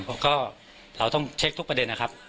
แล้วก็เราต้องเช็คทุกประเด็นนะครับ